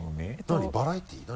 バラエティー何？